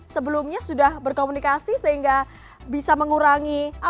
sebelumnya sudah berkomunikasi sehingga bisa mengurangi